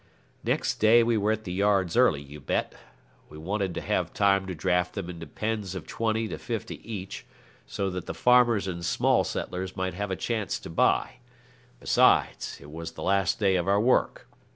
Next day we were at the yards early, you bet. We wanted to have time to draft them into pens of twenty to fifty each, so that the farmers and small settlers might have a chance to buy. Besides, it was the last day of our work.